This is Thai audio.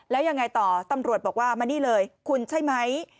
แล้วยังไงต่อตำรวจบอกว่ามานี่เลยคุณใช่ไหม